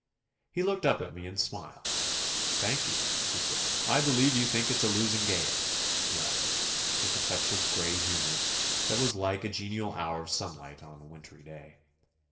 He looked up at me and smiled. "Thank you," he said. "I believe you think it's a losing game," he added, with a touch of gray humour that was like a genial hour of sunlight on a wintry day.